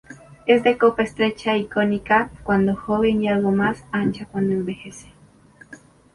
Es de copa estrecha y cónica cuando joven y algo más ancha cuando envejece.